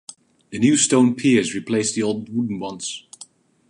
The new stone piers replaced the old wooden ones.